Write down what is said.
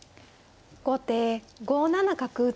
後手５七角打。